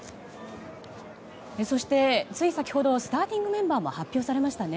そして、つい先ほどスターティングメンバーも発表されました。